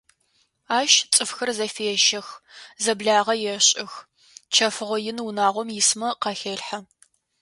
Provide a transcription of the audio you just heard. Ащ цӏыфхэр зэфещэх, зэблагъэ ешӏых: чэфыгъо ин унагъом исмэ къахелъхьэ.